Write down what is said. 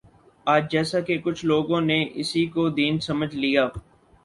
آج جیساکہ کچھ لوگوں نے اسی کو دین سمجھ لیا